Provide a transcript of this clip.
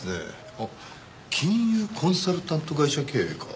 あっ金融コンサルタント会社経営か。